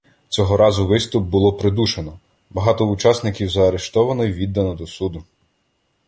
Цього разу виступ було придушено, багато учасників заарештовано й віддано до суду.